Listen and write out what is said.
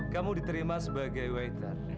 kamu diterima sebagai waiter